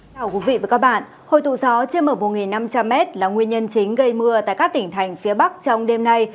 chào quý vị và các bạn hồi tụ gió chiêm mở một năm trăm linh m là nguyên nhân chính gây mưa tại các tỉnh thành phía bắc trong đêm nay